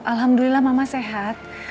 alhamdulillah mama sehat